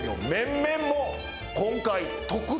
今回。